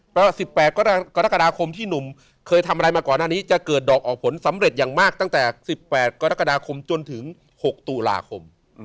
๑๘กรกฎาคมที่หนุ่มเคยทำอะไรมาก่อนหน้านี้จะเกิดดอกออกผลสำเร็จอย่างมากตั้งแต่๑๘กรกฎาคมจนถึง๖ตุลาคม